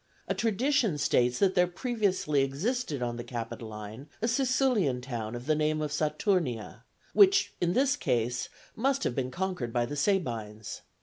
A tradition states that there previously existed on the Capitoline a Siculian town of the name of Saturnia, which, in this case, must have been conquered by the Sabines.